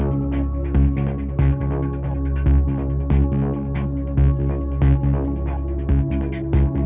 โอ้เว่ยเฮ้ยเมื่อกี้จัดสองร้อยอ่ะเนี่ย